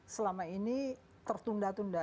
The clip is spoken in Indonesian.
selama ini tertunda tunda